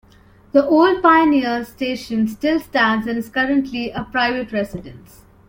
The old Pioneer Station still stands and is currently a private residence.